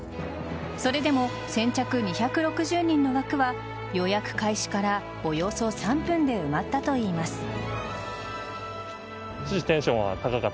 それでも先着２６０人の枠は予約開始からおよそ３分で埋まったといいます。